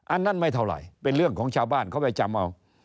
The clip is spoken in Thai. อันนั้นไม่เท่าไหร่เป็นเรื่องของชาวบ้านเขาไปจำเอา